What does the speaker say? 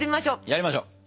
やりましょう！